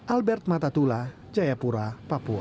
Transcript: albert matatula jayapura papua